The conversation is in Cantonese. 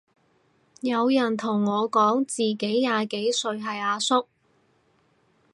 有人同我講自己廿幾歲係阿叔